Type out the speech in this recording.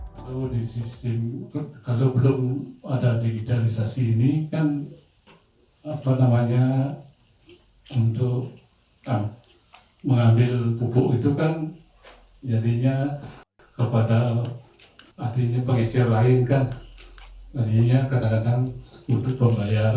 biar biaya kalau di sini kan bisa di kooperasi di lumbung bayari